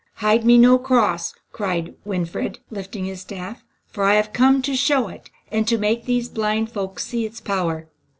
"Hide me no cross," cried Winfried, lifting his staff, "for I have come to show it, and to make these blind folk see its power.